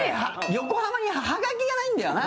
横浜にハガキがないんだよな？